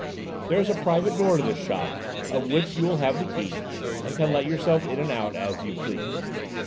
There is a private door to this shop of which you will have the key, and can let yourself in and out as you please.